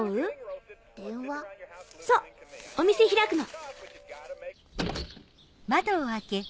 そうお店開くの。